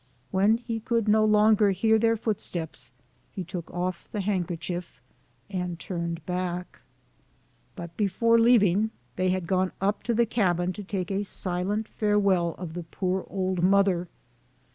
When he could no longer hear their foot steps, he took off the handkerchief, and turned back. But before leaving, they had gone up to the cabin 62 SOME SCENES IN THE to take a silent farewell of the poor old mother.